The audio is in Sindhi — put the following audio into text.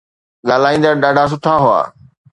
ڳالهائيندڙ ڏاڍا سٺا هئا.